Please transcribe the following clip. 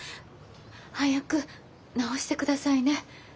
早く治してくださいね。